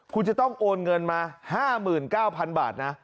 คุณจะต้องโอนเงินมา๕๙๐๐บาทนะ